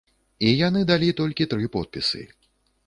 І яны далі толькі тры подпісы.